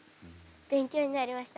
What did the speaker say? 勉強になりました。